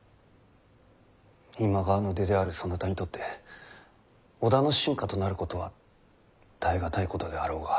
今川の出であるそなたにとって織田の臣下となることは耐え難いことであろうが。